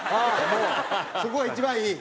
もうそこが一番いい。